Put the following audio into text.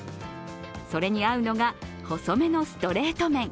それに合うのが細めのストレート麺。